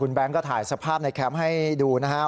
แก๊งก็ถ่ายสภาพในแคมป์ให้ดูนะครับ